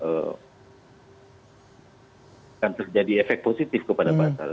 pemerintah menganggap akan terjadi efek positif kepada pasar